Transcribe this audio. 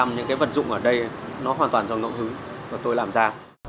tám mươi những cái vật dụng ở đây nó hoàn toàn do ngọc hứ và tôi làm ra